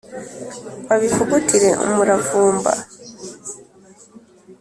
Babivugutire umuravumba